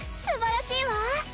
すばらしいわ。